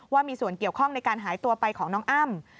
ว่ามีส่วนเกี่ยวข้องในการหายตัวไปของน้องอ้ำ